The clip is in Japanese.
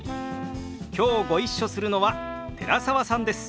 きょうご一緒するのは寺澤さんです。